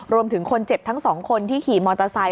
รวมถึงคนเจ็บทั้งสองคนที่ขี่มอเตอร์ไซค